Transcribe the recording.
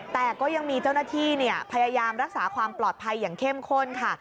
แต่ก็ยังมีเจ้าหน้าที่พยายามรักษาความปลอดภัยอย่างเข้มข้นค่ะ